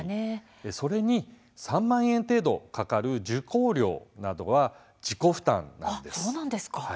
それに３万円程度かかる受講料などは自己負担なんです。